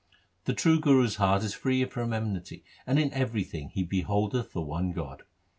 The true Guru's heart is free from enmity, and in every thing he beholdeth the one God.